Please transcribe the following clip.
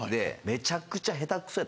めちゃくちゃ下手くそ。